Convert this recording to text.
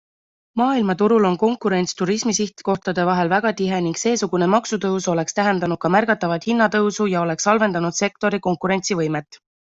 Maailmaturul on konkurents turismisihtkohtade vahel väga tihe ning seesugune maksutõus oleks tähendanud ka märgatavat hinnatõusu ja oleks halvendanud sektori konkurentsivõimet.